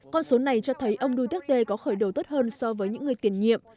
con số này cho thấy ông duterte có khởi đầu tốt hơn so với những người tiền nhiệm